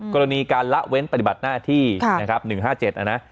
กรณีการละเว้นปฏิบัติหน้าที่นะครับ๑๕๗นะนะ